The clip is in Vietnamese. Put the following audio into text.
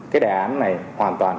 cái đề án này hoàn toàn